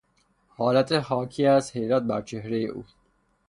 حالت حاکی از حیرت بر چهرهی او